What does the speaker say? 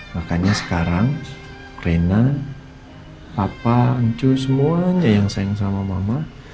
makanya sekarang reina papa ancu semuanya yang sayang sama mama